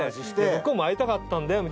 向こうも会いたかったんだよ。